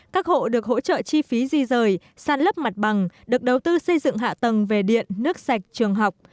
các hộ được hỗ trợ chi phí di rời san lấp mặt bằng được đầu tư xây dựng hạ tầng về điện nước sạch trường học